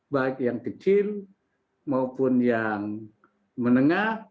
baik yang kecil maupun yang menengah